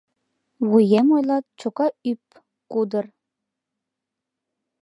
«Вуем, ойлат, чока ӱп-кудыр...»